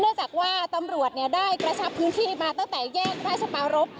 เนื่องจากว่าตำรวจเนี่ยได้กระชับพื้นที่มาตั้งแต่แยกพระชปารบ